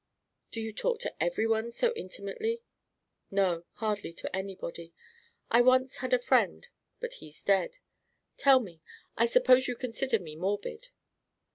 "Do you talk to every one so intimately?" "No, hardly to anybody. I once had a friend ... but he's dead. Tell me, I suppose you consider me morbid?"